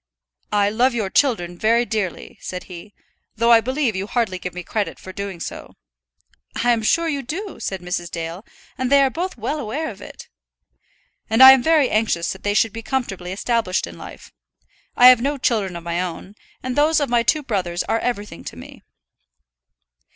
"I love your children very dearly," said he, "though I believe you hardly give me credit for doing so." "I am sure you do," said Mrs. Dale, "and they are both well aware of it." "And I am very anxious that they should be comfortably established in life. I have no children of my own, and those of my two brothers are everything to me."